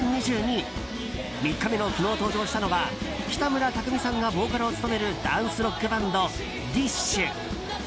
３日目の昨日、登場したのは北村匠海さんがボーカルを務めるダンスロックバンドＤＩＳＨ／／。